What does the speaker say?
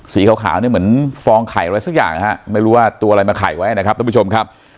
สีขาวเนี่ยเหมือนฟองไข่อะไรสักอย่างฮะไม่รู้ว่าตัวอะไรมาไข่ไว้นะครับท่านผู้ชมครับ